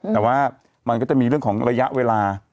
แต่ว่ามันก็จะมีเรื่องของระยะเวลา